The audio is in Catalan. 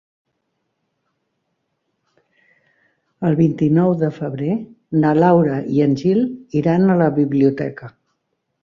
El vint-i-nou de febrer na Laura i en Gil iran a la biblioteca.